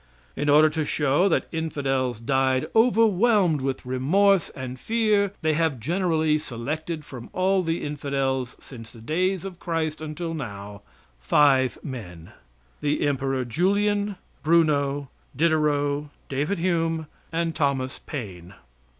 In order to show that infidels died overwhelmed with remorse and fear they have generally selected from all the infidels since the days of Christ until now five men the Emperor Julian, Bruno, Diderot, David Hume and Thomas Paine.